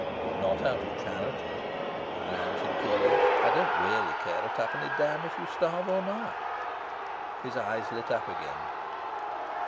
"Not out of charity," I answered coolly. "I don't really care a twopenny damn if you starve or not." His eyes lit up again.